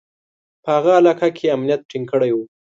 په هغه علاقه کې یې امنیت ټینګ کړی و.